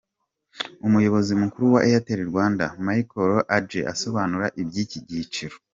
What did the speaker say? Umuyobozi mukuru wa Airtel Rwanda, Micheal Adjei asobanura iby'iki cyiciro.